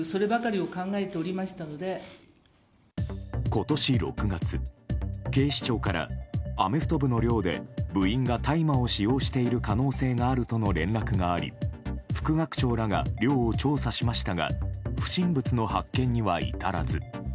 今年６月、警視庁からアメフト部の寮で部員が大麻を使用している可能性があるとの連絡があり副学長らが寮を調査しましたが不審物の発見には至らず。